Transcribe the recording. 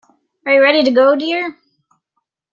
Are you ready to go, dear?